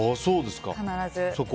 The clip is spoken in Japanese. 必ず。